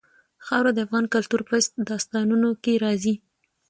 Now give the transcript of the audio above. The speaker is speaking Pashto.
خاوره د افغان کلتور په داستانونو کې راځي.